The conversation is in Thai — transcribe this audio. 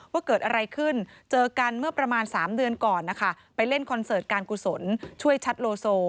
ว่าเกิดอะไรขึ้นเจอกันเมื่อประมาณ๓เดือนก่อนนะคะไปเล่นคอนเสิร์ตการกุศลช่วยชัดโลโซ